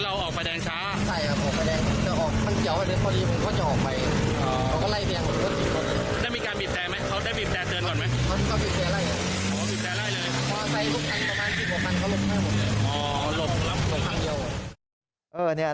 อ๋อหลบแล้วต่อครั้งเดียว